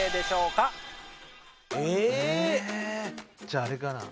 じゃああれかな？